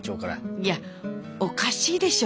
いやおかしいでしょ？